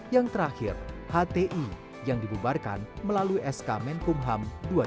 yang terakhir hti yang dibubarkan melalui sk menkumham dua ribu dua puluh